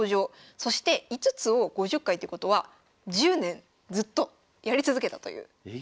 そして５つを５０回ってことは１０年ずっとやり続けたという。